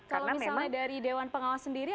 kalau misalnya dari dewan pengawas sendiri